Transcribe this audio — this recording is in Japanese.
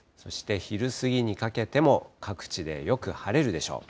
昼過ぎにかけても、各地でよく晴れるでしょう。